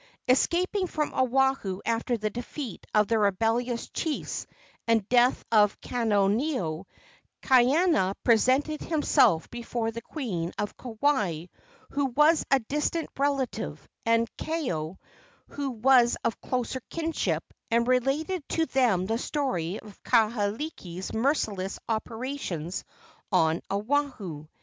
Escaping from Oahu after the defeat of the rebellious chiefs and death of Kaneoneo, Kaiana presented himself before the queen of Kauai, who was a distant relative, and Kaeo, who was of closer kinship, and related to them the story of Kahekili's merciless operations on Oahu.